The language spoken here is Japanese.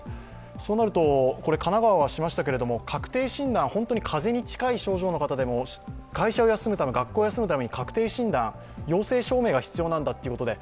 そうなると、神奈川はしましたが、確定診断、本当に風邪に近い症状の方でも会社、学校を休むために確定診断、陽性証明が必要なんだということで、